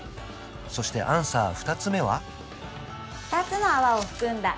そしてアンサー２つ目は？